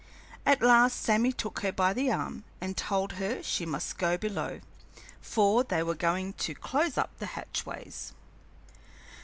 At last Sammy took her by the arm and told her she must go below, for they were going to close up the hatchways.